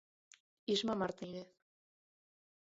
Isma Martínez.